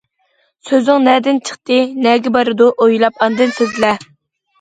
سۆزۈڭ نەدىن چىقتى، نەگە بارىدۇ، ئويلاپ ئاندىن سۆزلە.